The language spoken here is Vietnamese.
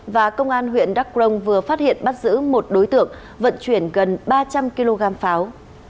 và công an huyện đắk rông vừa phát hiện bắt giữ một đối tượng vận chuyển gần ba trăm linh kg pháo